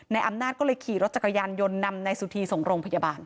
อำนาจก็เลยขี่รถจักรยานยนต์นำนายสุธีส่งโรงพยาบาล